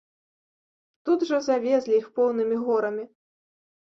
Тут жа завезлі іх поўнымі горамі.